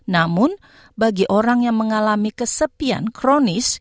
namun bagi orang yang mengalami kesepian kronis